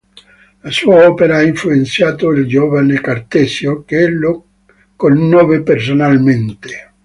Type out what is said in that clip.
La sua opera ha influenzato il giovane Cartesio che lo conobbe personalmente.